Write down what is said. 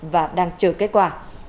và đang chờ kết quả